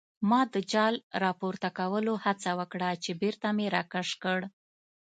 ما د جال راپورته کولو هڅه وکړه چې بېرته مې راکش کړ.